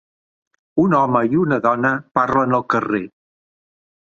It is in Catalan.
Un home i una dona parlen al carrer.